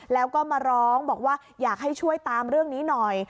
แล้วก็มาร้องบอกว่าอยากให้ช่วยตามเรื่องนี้หน่อย